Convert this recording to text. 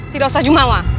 tidak usah jumawa